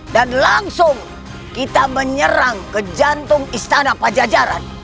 dan langsung kita menyerang ke jantung istana pajajara